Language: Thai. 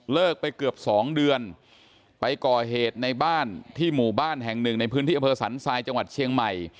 ไปเกือบสองเดือนไปก่อเหตุในบ้านที่หมู่บ้านแห่งหนึ่งในพื้นที่อำเภอสันทรายจังหวัดเชียงใหม่